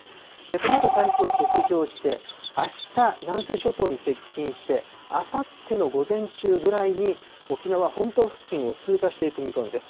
このあと台風は北上して、あした南西諸島に接近して、あさっての午前中ぐらいに沖縄本島付近を通過していく見込みです。